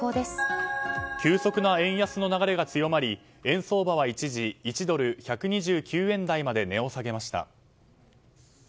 急速な円安の流れが強まり円相場は一時１ドル＝１２９円台まで値を下げました。